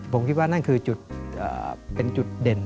ผมคิดว่านั่นคือจุดเป็นจุดเด่น